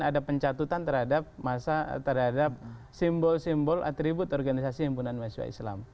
ada pencatutan terhadap masa terhadap simbol simbol atribut organisasi himpunan mahasiswa islam